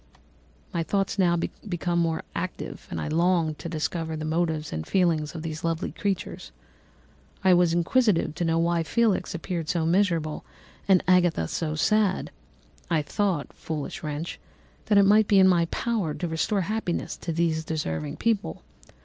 "My thoughts now became more active, and I longed to discover the motives and feelings of these lovely creatures; I was inquisitive to know why Felix appeared so miserable and Agatha so sad. I thought (foolish wretch!) that it might be in my power to restore happiness to these deserving people.